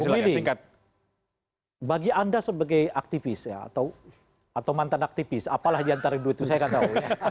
bung gili bagi anda sebagai aktivis atau mantan aktivis apalah diantara dua itu saya tidak tahu